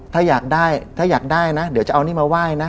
ถ้าอยากได้ถ้าอยากได้นะเดี๋ยวจะเอานี่มาไหว้นะ